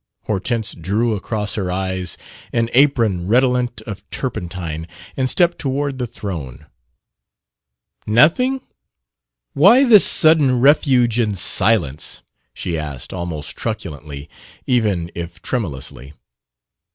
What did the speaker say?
Hortense drew across her eyes an apron redolent of turpentine and stepped toward the throne. "Nothing? Why this sudden refuge in silence?" she asked, almost truculently, even if tremulously.